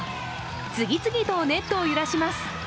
次々とネットを揺らします。